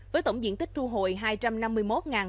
với tổng diện tích thu hồn